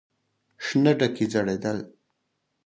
شنه ډکي ځړېدل.